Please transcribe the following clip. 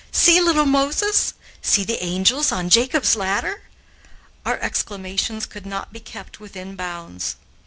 "See little Moses!" "See the angels on Jacob's ladder!" Our exclamations could not be kept within bounds.